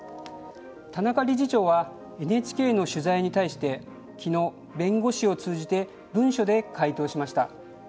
田中理事長はＮＨＫの取材に対してきのう弁護士を通じて文書で回答しました。